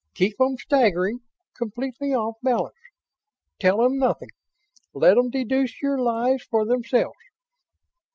Keep 'em staggering, completely off balance. Tell 'em nothing let 'em deduce your lies for themselves.